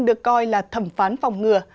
được coi là thẩm phán phòng ngừa